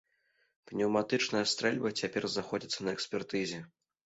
Пнеўматычная стрэльба цяпер знаходзіцца на экспертызе.